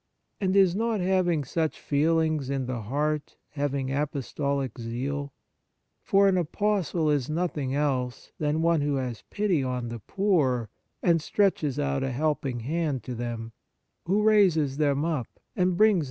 And is not having such feelings in the heart having apostolic zeal ? For an apostle is nothing else than one who has pity on the poor and stretches out a helping hand to them, who raises them up and brings * Phil.